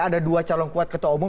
ada dua calon kuat ketua umum